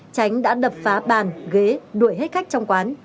tránh đã đập phá bàn ghế đuổi hết khách trong quán